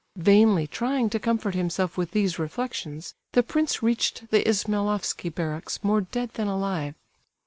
Vainly trying to comfort himself with these reflections, the prince reached the Ismailofsky barracks more dead than alive.